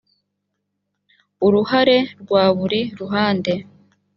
uruhare rwa buri ruhande